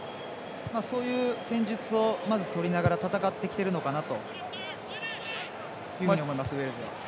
そういう戦術をまず取りながら戦ってきているのかなと思います。